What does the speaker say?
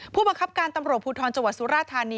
ผู้ประคับการตำรวจภูทรจวัสสุรรดิ์